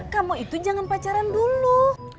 kamu itu jangan pacaran dulu